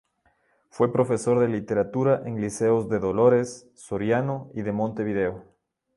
Fue profesor de literatura en liceos de Dolores, Soriano, y de Montevideo.